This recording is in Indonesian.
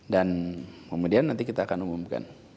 dan kemudian nanti kita akan umumkan